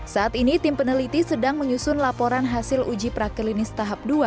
saat ini tim peneliti sedang menyusun laporan hasil uji praklinis tahap dua